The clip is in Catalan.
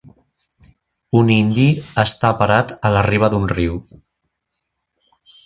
Un indi està parat a la riba d'un riu.